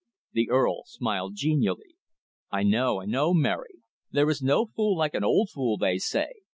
The Earl smiled genially. "I know, I know, Mary. There is no fool like an old fool, they say.